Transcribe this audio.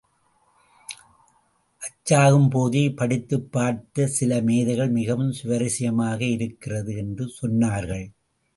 அச்சாகும்போதே படித்துப் பார்த்த சில மேதைகள், மிகவும் சுவாரஸ்யமாக இருக்கிறது என்று சொன்னார்கள்.